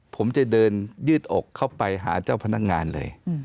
ผมจะเดินยืดอกเข้าไปหาเจ้าพนักงานเลย